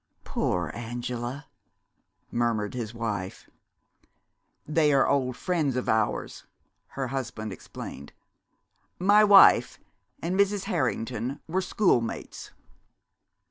"Poor Angela!" murmured his wife. "They are old friends of ours," her husband explained. "My wife and Mrs. Harrington were schoolmates.